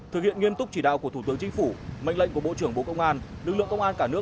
thực hiện nghiêm túc chỉ đạo của thủ tướng chính phủ mệnh lệnh của bộ trưởng bộ công an